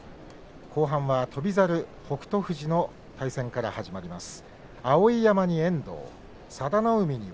後半は翔猿と北勝富士の対戦から始まります。